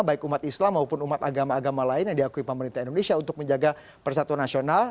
baik umat islam maupun umat agama agama lain yang diakui pemerintah indonesia untuk menjaga persatuan nasional